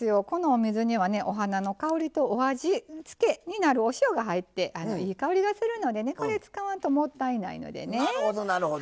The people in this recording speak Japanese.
このお水にはねお花の香りとお味付けになるお塩が入っていい香りがするのでねこれ使わんともったいないのでね。